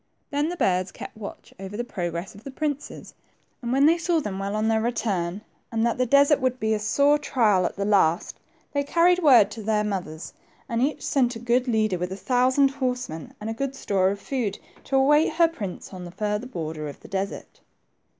Then the birds kept watch over the progress of the prinnes, and when they saw ' them well on their return, and that the desert would be a sore trial at the last, they carried word to the mothers, and each sent a good leader with a thousand horsemen and good store of food, to await her prince on the further border of the desert.